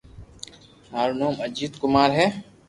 مارو نوم اجيت ڪمار ھي